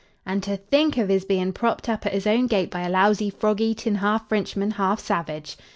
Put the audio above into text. "And to think av his bein' propped up at his own gate by a lousy, frog eatin' half Frinchman, half salvage!"